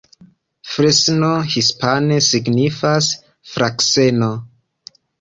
Fresno hispane signifas: frakseno.